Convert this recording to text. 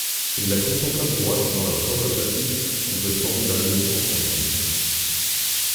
Il la contempla droite dans la robe aplatie contre les formes d'adolescence angélique.